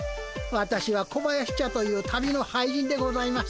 私は小林茶という旅の俳人でございます。